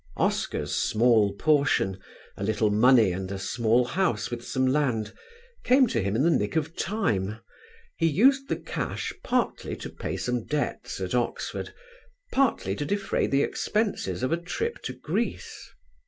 Oscar's small portion, a little money and a small house with some land, came to him in the nick of time: he used the cash partly to pay some debts at Oxford, partly to defray the expenses of a trip to Greece.